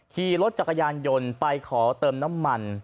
ขี่รถจักรยานยนต์ไปขอเติมน้ำมัน